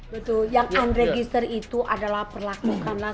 betul yang unregister itu adalah perlakukanlah